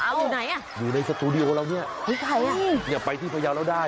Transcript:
อยู่ไหนอ่ะอยู่ในสตูดิโอเราเนี่ยไปที่พยาวเราได้อ่ะ